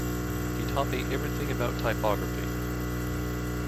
He taught me everything about typography.